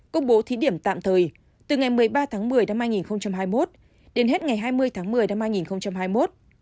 công bố thí điểm tạm thời từ ngày một mươi ba tháng một mươi năm hai nghìn hai mươi một đến hết ngày hai mươi tháng một mươi năm hai nghìn hai mươi một